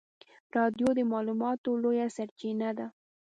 رادیو د معلوماتو لویه سرچینه ده.